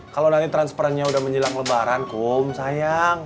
kalau nanti transferannya udah menjelang lebaran kum sayang